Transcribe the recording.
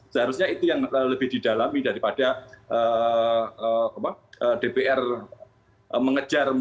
seharusnya itu yang lebih didalami daripada dpr mengejar